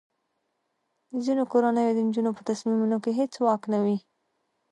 د ځینو کورنیو د نجونو په تصمیمونو کې هیڅ واک نه وي.